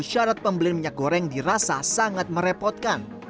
syarat pembelian minyak goreng dirasa sangat merepotkan